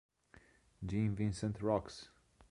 Gene Vincent Rocks!